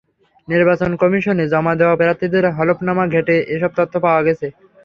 নির্বাচন কমিশনে জমা দেওয়া প্রার্থীদের হলফনামা ঘেঁটে এসব তথ্য পাওয়া গেছে।